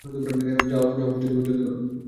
যাও, জলদি করো!